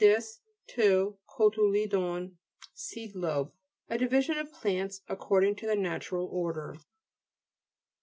dis, two, kotuledon, seed lobe. A division of plants, according to the Natural Order.